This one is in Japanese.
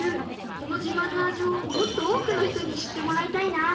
この自慢の味をもっと多くの人に知ってもらいたいな。